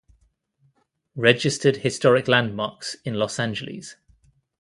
Registered Historic Landmarks in Los Angeles.